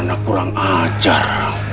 mana kurang ajar